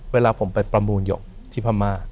เวลาผมไปประมูลหยกที่พม่า